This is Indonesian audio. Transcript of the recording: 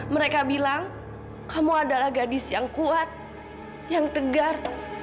mereka bilang kamu adalah gadis yang kuat yang tegar